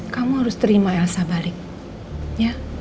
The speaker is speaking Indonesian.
kamu harus terima elsa balik ya